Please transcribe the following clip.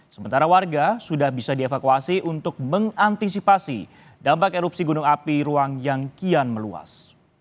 sementara warga sudah bisa dievakuasi untuk mengantisipasi dampak erupsi gunung api ruang yang kian meluas